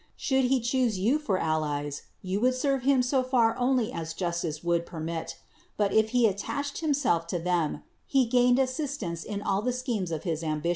Should he choose you for allies, you would serve him so far only as justice would permit; but if he attached himself to them, he gained assistants in all the schemes of his ambition.